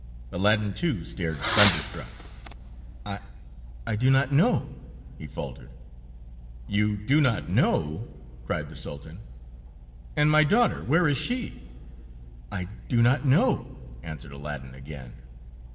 Aladdin, too, stared thunderstruck. "I—I do not know!" he faltered. "You do not know?" cried the Sultan. "And my daughter! Where is she?" "I do not know," answered Aladdin again.